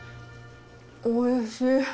おいしい。